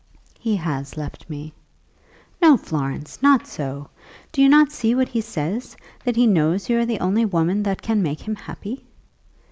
"He has left me." "No, Florence; not so. Do you not see what he says; that he knows you are the only woman that can make him happy?"